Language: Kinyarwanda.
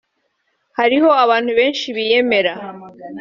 Hariho abantu benshi biyemera